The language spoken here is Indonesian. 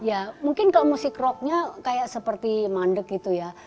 ya mungkin kalau musik rocknya kayak seperti mandek gitu ya